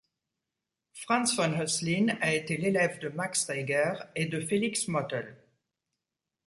Franz von Hoesslin a été l'élève de Max Reger et de Félix Mottl.